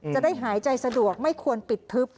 จะได้หายใจสะดวกไม่ควรปิดทึบ